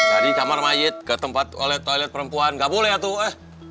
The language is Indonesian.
cari kamar mayat ke tempat toilet perempuan gak boleh tuh eh